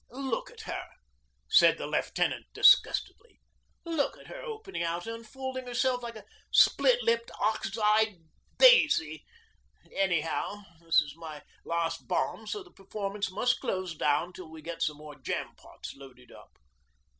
'Look at her,' said the lieutenant disgustedly. 'Look at her opening out an' unfolding herself like a split lipped ox eyed daisy. Anyhow, this is my last bomb, so the performance must close down till we get some more jam pots loaded up.'